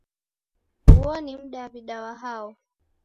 Uo ni Mdaw'ida wa hao?.